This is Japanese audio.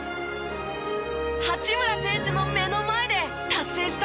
八村選手の目の前で達成したんです。